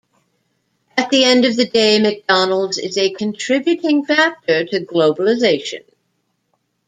At the end of the day, McDonald's is a contributing factor to globalization.